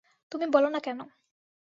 তুমি বল না কেন।